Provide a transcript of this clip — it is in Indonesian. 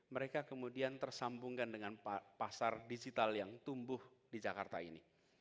mereka kemudian tersambungkan dengan pasar digital yang tumbuh di jakarta ini